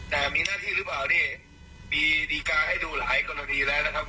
แต่มีหน้าที่หรือเปล่านี่มีดีการ์ให้ดูหลายกรณีแล้วนะครับ